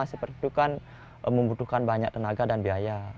seperti itu kan membutuhkan banyak tenaga dan biaya